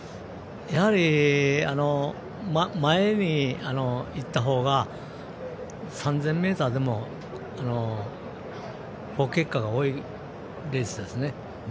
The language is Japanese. やはり前にいったほうが３０００ｍでも好結果が多いレースですね。